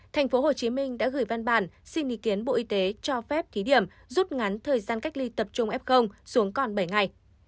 tp hcm đã gửi văn bản xin ý kiến bộ y tế cho phép thí điểm rút ngắn thời gian cách ly tập trung f xuống còn bảy ngày